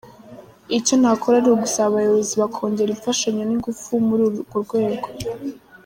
Icyo nakora ni ugusaba abayobozi bakongera imfashanyo n’ingufu muri urwo rwego.